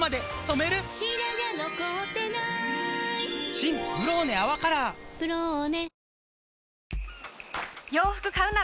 新「ブローネ泡カラー」「ブローネ」